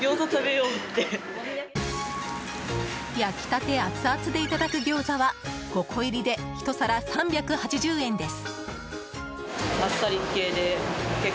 焼きたてアツアツでいただくギョーザは５個入りで１皿３８０円です。